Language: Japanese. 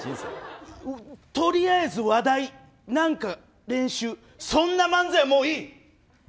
とりあえず話題、なんか練習そんな漫才はもういい！